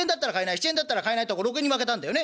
７円だったら買えないところ６円にまけたんだよね。